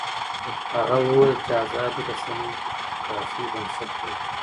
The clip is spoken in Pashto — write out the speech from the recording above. هغه وویل چې ازادې رسنۍ د ډیموکراسۍ بنسټ دی.